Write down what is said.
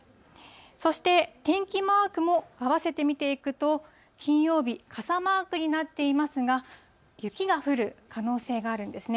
そして天気マークも合わせて見ていくと、金曜日、傘マークになっていますが、雪が降る可能性があるんですね。